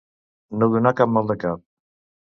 No donar cap maldecap.